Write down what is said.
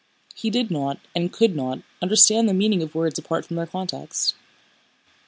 He did not, and could not, understand the meaning of words apart from their context.